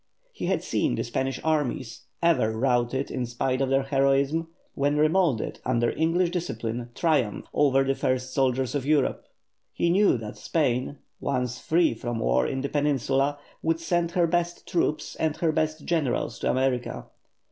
He had seen the Spanish armies, ever routed in spite of their heroism, when remoulded under English discipline triumph over the first soldiers of Europe. He knew that Spain, once free from war in the Peninsula, would send her best troops and her best generals to America.